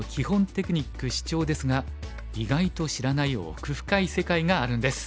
テクニックシチョウですが意外と知らない奥深い世界があるんです。